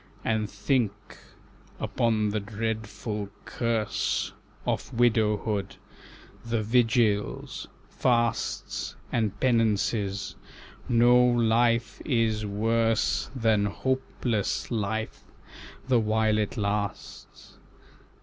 "And think upon the dreadful curse Of widowhood; the vigils, fasts, And penances; no life is worse Than hopeless life, the while it lasts.